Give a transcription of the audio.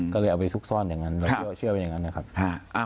แล้วก็เอาไปซุกซ่อนอย่างนั้นและเชื่อเป็นอย่างนั้นนะครับ